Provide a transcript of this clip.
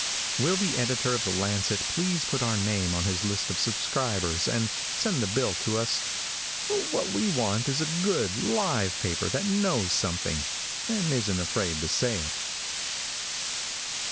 Will the editor of the Lancet please put our name on his list of subscribers and send the bill to us? What we want is a good, live paper that knows something, and isn't afraid to say it.